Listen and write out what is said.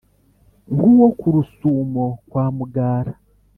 nk'uwo ku rusumo kwa mugara